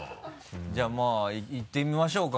じゃあまぁいってみましょうか。